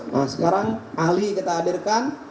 nah sekarang ahli kita hadirkan